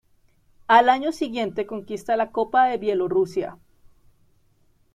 Al año siguiente conquista la Copa de Bielorrusia.